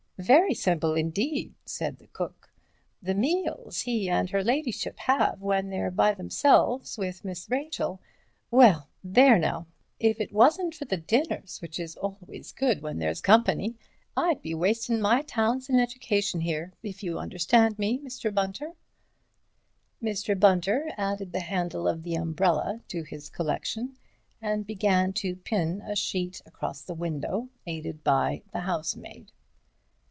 "Very simple indeed," said the cook, "the meals he and her ladyship have when they're by themselves with Miss Rachel—well, there now—if it wasn't for the dinners, which is always good when there's company, I'd be wastin' my talents and education here, if you understand me, Mr. Bunter." Mr. Bunter added the handle of the umbrella to his collection, and began to pin a sheet across the window, aided by the housemaid.